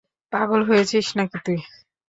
পাগল হয়েছিস নাকি তুই?